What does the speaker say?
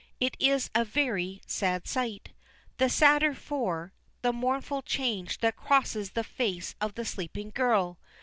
It is a very, sad sight, the sadder for, the mournful change that crosses the face of the sleeping girl.